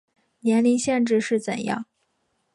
年龄限制是怎样